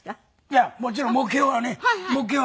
いやもちろん目標はね目標。